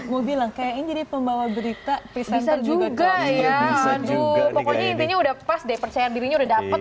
mau bilang kayaknya jadi pembawa berita peacester juga ya aduh pokoknya intinya udah pas deh percaya dirinya udah dapet